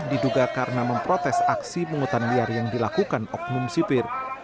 diduga karena memprotes aksi penghutan liar yang dilakukan oknum sipir